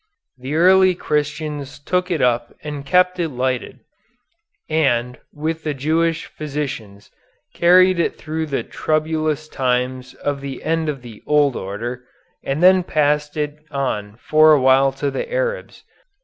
The early Christians took it up and kept it lighted, and, with the Jewish physicians, carried it through the troublous times of the end of the old order, and then passed it on for a while to the Arabs.